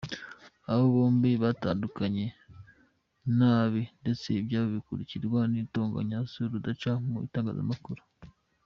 Aba bombi batandukanye nabi ndetse ibyabo bikurikirwa n’intonganya z’urudaca mu itangazamakuru.